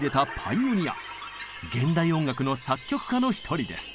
現代音楽の作曲家の一人です。